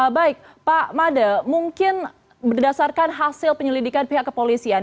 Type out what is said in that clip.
baik pak made mungkin berdasarkan hasil penyelidikan pihak kepolisian